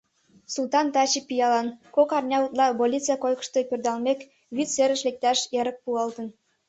Султан таче пиалан: кок арня утла больница койкышто пӧрдалмек, вӱд серыш лекташ эрык пуалтын.